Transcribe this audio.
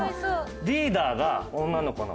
リーダーが女の子の。